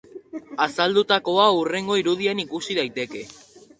Azaldutakoa hurrengo irudian ikusi daiteke.